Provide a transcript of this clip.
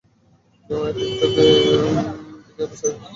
বিমানের টিকেটের বিস্তারিত মেসেজে পাঠিয়েছি।